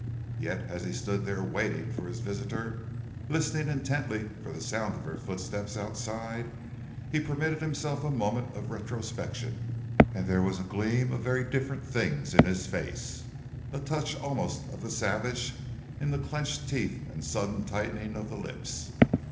Yet as he stood there waiting for his visitor, listening intently for the sound of her footsteps outside, he permitted himself a moment of retrospection, and there was a gleam of very different things in his face, a touch almost of the savage in the clenched teeth and sudden tightening of the lips.